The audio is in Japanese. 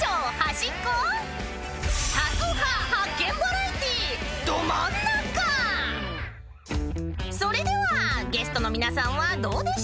［それではゲストの皆さんはどうでしょう？］